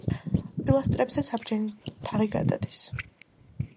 პილასტრებზე საბჯენი თაღი გადადის.